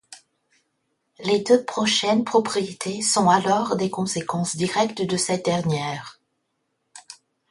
Les deux prochaines propriétés sont alors des conséquences directes de cette dernière.